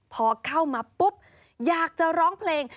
พอเข้ามาปุ๊บอยากจะร้องเพลง